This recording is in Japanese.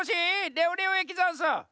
レオレオえきざんす！